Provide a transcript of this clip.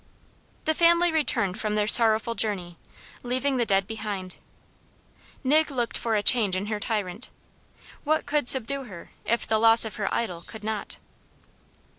The family returned from their sorrowful journey, leaving the dead behind. Nig looked for a change in her tyrant; what could subdue her, if the loss of her idol could not?